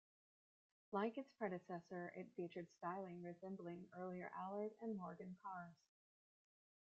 Like its predecessor, it featured styling resembling earlier Allard and Morgan cars.